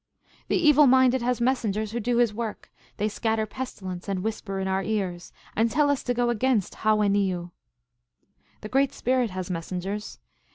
The Evil Minded has messengers who do his work. They scat ter pestilence, and whisper in our ears, and tell us to go against Ha wen ni yu. " The Great Spirit has messengers.